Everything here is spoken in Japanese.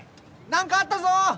なんかあったぞ！